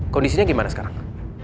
kondisinya gimana sekarang